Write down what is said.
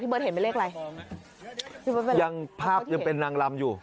พี่เบิร์ดเห็นไปเลขอะไรยังภาพยังเป็นนางรำอยู่